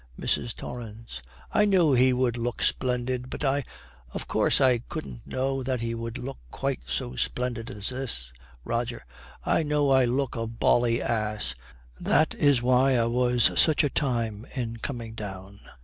"' MRS. TORRANCE. 'I knew he would look splendid; but I of course I couldn't know that he would look quite so splendid as this.' ROGER. 'I know I look a bally ass. That is why I was such a time in coming down.'